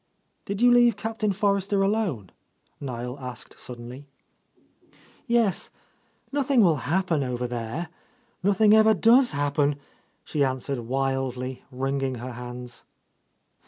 "Did you leave Captain Forrester alone?" Niel asked suddenly. "Yes. Nothing will happen over there. — I. II— A Lost Lady Nothing ever does happen !" she answered wildly, wringing her hands.